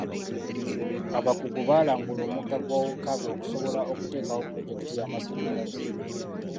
Abakugu baalambula omugga gwa Okabi okusobola okuteekawo pulojekiti y'amasanyalaze.